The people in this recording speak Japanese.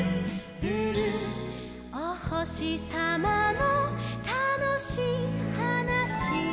「おほしさまのたのしいはなし」